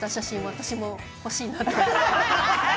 私も欲しいなと。